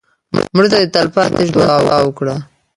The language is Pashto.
مړه ته د تلپاتې ژوند دعا وکړه